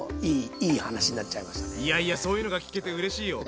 いやいやそういうのが聞けてうれしいよ。